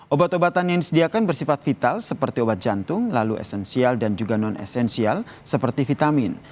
obat obatan yang disediakan bersifat vital seperti obat jantung lalu esensial dan juga non esensial seperti vitamin